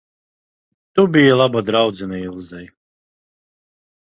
Tu biji laba draudzene Ilzei.